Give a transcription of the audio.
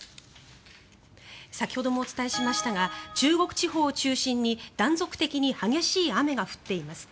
先ほどもお伝えしましたが中国地方を中心に断続的に激しい雨が降っています。